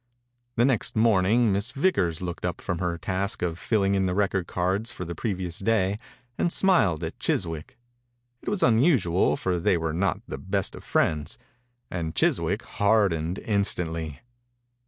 The next morning Miss Vickers looked up from her task of filling in the record cards for the previous day and smiled at Chiswick. It was un usual, for they were not the best of friends, and Chiswick hardened instantly.